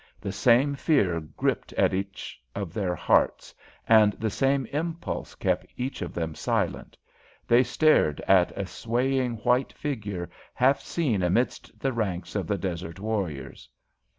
The same fear gripped at each of their hearts, and the same impulse kept each of them silent. They stared at a swaying white figure half seen amidst the ranks of the desert warriors.